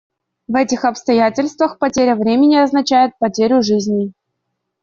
В этих обстоятельствах потеря времени означает потерю жизней.